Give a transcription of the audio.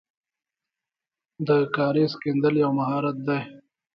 د کاریز کیندل یو مهارت دی.